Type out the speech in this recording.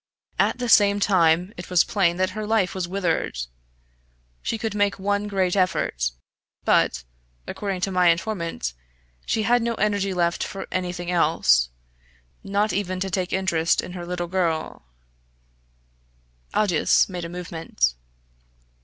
At the same time, it was plain that her life was withered. She could make one great effort; but, according to my informant, she had no energy left for anything else not even to take interest in her little girl " Aldous made a movement.